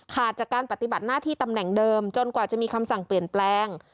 จากการปฏิบัติหน้าที่ตำแหน่งเดิมจนกว่าจะมีคำสั่งเปลี่ยนแปลง